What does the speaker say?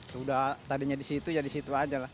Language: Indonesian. sudah tadinya di situ ya di situ aja lah